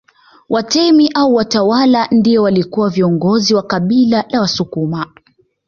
Watemi au watawala ndio walikuwa viongozi wa kabila la Wasukuma